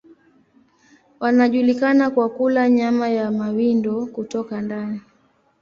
Wanajulikana kwa kula nyama ya mawindo kutoka ndani.